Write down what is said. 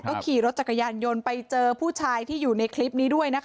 ขี่รถจักรยานยนต์ไปเจอผู้ชายที่อยู่ในคลิปนี้ด้วยนะคะ